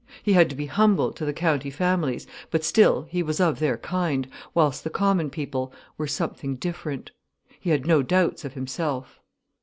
He had to be humble to the county families, but still, he was of their kind, whilst the common people were something different. He had no doubts of himself.